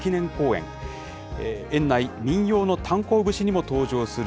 園内、民謡の炭坑節にも登場する